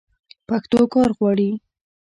پښتو کار غواړي.